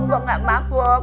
mbak gak mabuk